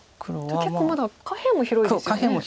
結構まだ下辺も広いですよね。